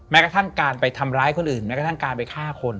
กระทั่งการไปทำร้ายคนอื่นแม้กระทั่งการไปฆ่าคน